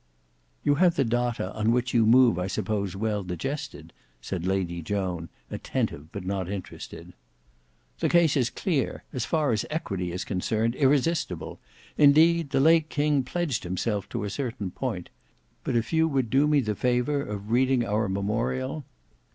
"You have the data on which you move I suppose well digested," said Lady Joan, attentive but not interested. "The case is clear; as far as equity is concerned, irresistible; indeed the late king pledged himself to a certain point. But if you would do me the favour of reading our memorial."